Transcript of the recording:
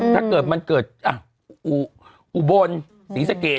ถ้าเกิดมันเกิดอุบอนศีรษะเกต